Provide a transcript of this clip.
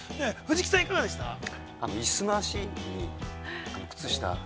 藤木さん、いかがでした？